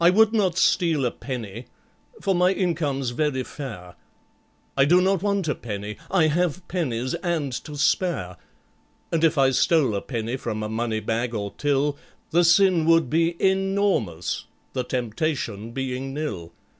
"I would not steal a penny, for my income's very fair— I do not want a penny—I have pennies and to spare— And if I stole a penny from a money bag or till, The sin would be enormous—the temptation being nil.